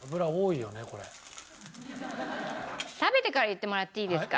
食べてから言ってもらっていいですか！